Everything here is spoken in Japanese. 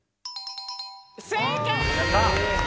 正解！